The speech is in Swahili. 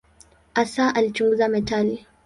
Hasa alichunguza metali.